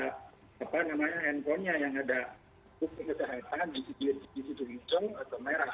ada apa namanya handphonenya yang ada kode kesehatan di situ hitung atau merah